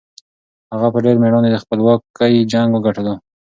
هغه په ډېر مېړانه د خپلواکۍ جنګ وګټلو.